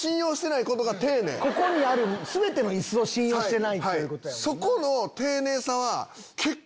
ここにある全てのイスを信用してないってことやもんな。